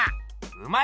うまい！